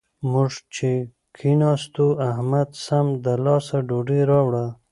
موږ چې کېناستو؛ احمد سم له لاسه ډوډۍ راوړه.